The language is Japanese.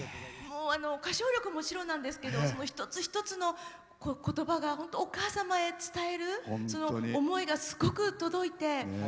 もう、歌唱力もそうなんですけど一つ一つのことばが本当、お母様へ伝える思いがすごく届いて。